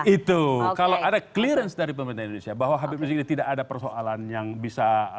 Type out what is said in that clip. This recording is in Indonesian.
itu kalau ada clearance dari pemerintah indonesia bahwa habib rizik ini tidak ada persoalan yang bisa